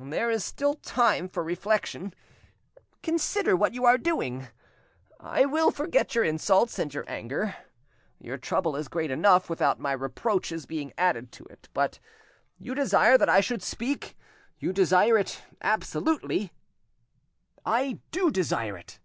"There is still time for reflection; consider what you are doing; I will forget your insults and your anger. Your trouble is great enough without my reproaches being added to it. But you desire that I should speak, you desire it absolutely?" "I do desire it."